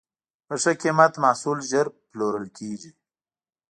په ښه قیمت محصول ژر پلورل کېږي.